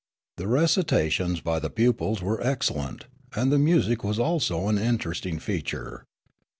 The recitations by the pupils were excellent, and the music was also an interesting feature.